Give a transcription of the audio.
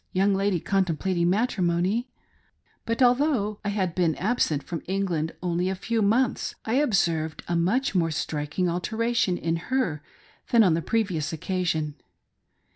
young lady contemplating matrimony ; but although I had MATRIMONY CHANGED HEK. I97 now been absent from England only a few months, I observed a much more striking alteration in her than on the previous occasion.